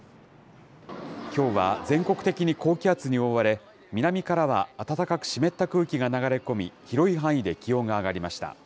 きょうは全国的に高気圧に覆われ、南からは暖かく湿った空気が流れ込み、広い範囲で気温が上がりました。